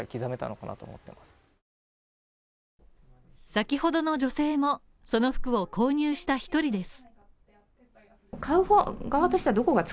先ほどの女性のその服を購入した１人です。